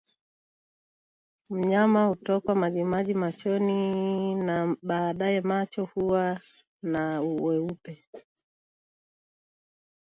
Mnyama kutokwa majimaji machoni na baadaye macho kuwa na weupe